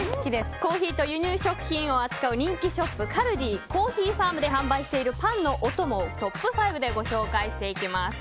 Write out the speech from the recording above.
コーヒーと輸入食品を扱う人気ショップカルディコーヒーファームで販売しているパンのおともをトップ５でご紹介していきます。